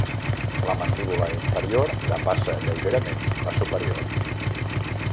La mandíbula inferior depassa lleugerament la superior.